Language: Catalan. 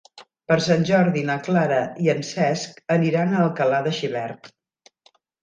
Per Sant Jordi na Clara i en Cesc aniran a Alcalà de Xivert.